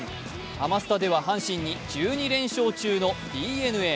ハマスタでは阪神に１２連勝中のＤｅＮＡ。